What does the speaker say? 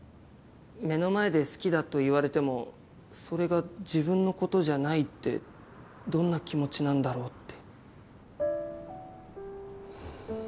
目の前で好きだと言われてもそれが自分のことじゃないってどんな気持ちなんだろうって。